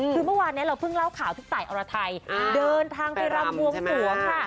คือเมื่อวานนี้เราเพิ่งเล่าข่าวพี่ตายอรไทยเดินทางไปรำบวงสวงค่ะ